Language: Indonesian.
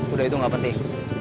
udah itu gak penting